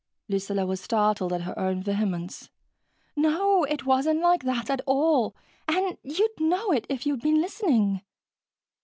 Lucilla was startled at her own vehemence. "No, it wasn't like that at all, and you'd know it, if you'd been listening.